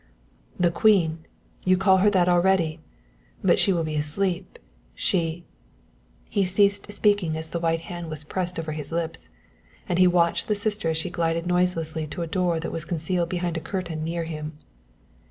"The Queen! you call her that already! But she will be asleep, she " He ceased speaking as the white hand was pressed over his lips, and he watched the sister as she glided noiselessly to a door that was concealed behind a curtain near him.